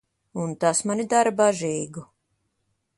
Un tas mani dara bažīgu.